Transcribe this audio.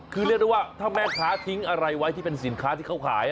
คือเรียกได้ว่าถ้าแม่ค้าทิ้งอะไรไว้ที่เป็นสินค้าที่เขาขาย